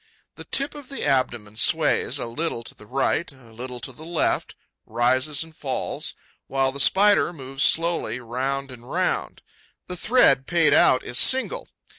The tip of the abdomen sways, a little to the right, a little to the left, rises and falls, while the Spider moves slowly round and round. The thread paid out is single.